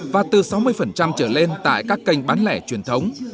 và từ sáu mươi trở lên tại các kênh bán lẻ truyền thống